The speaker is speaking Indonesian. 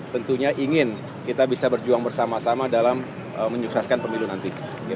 tentunya ingin kita bisa berjuang bersama sama dalam menyukseskan pemilu nanti